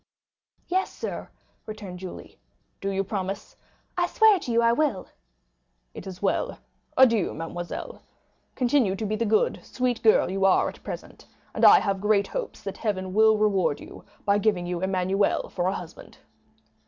"Yes, sir," returned Julie. "Do you promise?" "I swear to you I will." "It is well. Adieu, mademoiselle. Continue to be the good, sweet girl you are at present, and I have great hopes that Heaven will reward you by giving you Emmanuel for a husband."